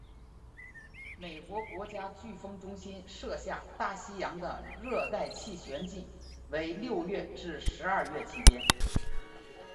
美国国家飓风中心设下大西洋的热带气旋季为六月至十二月期间。